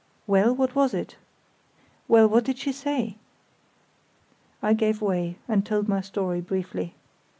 "Well, what was it?" "Well, what did she say?" I gave way, and told my story briefly.